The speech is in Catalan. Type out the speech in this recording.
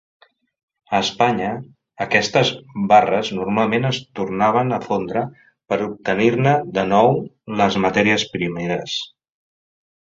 A Espanya, aquestes barres normalment es tornaven a fondre per obtenir-ne de nou les matèries primeres.